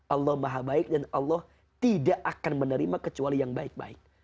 allah maha baik dan allah tidak akan menerima kecuali yang baik baik